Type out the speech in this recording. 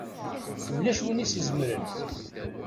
Ulac win i s-izemren!